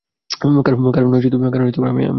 কারণ আমি আসলেই নার্ভাস।